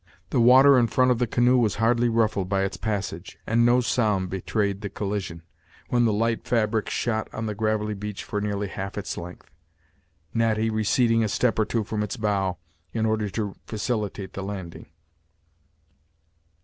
The water in front of the canoe was hardly ruffled by its passage and no sound betrayed the collision, when the light fabric shot on the gravelly beach for nearly half its length, Natty receding a step or two from its bow, in order to facilitate the landing.